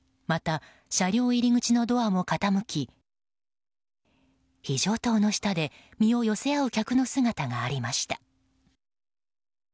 また、車両入り口のドアも傾き非常灯の下で身を寄せ合う客の姿がありました。